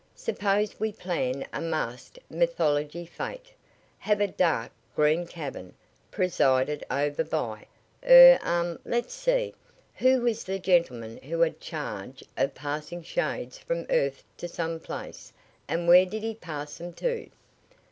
Suppose we plan a masked mythology fete? Have a dark, green cavern, presided over by: er um let's see who was the gentleman who had charge of passing shades from earth to some place, and where did he pass 'em to?"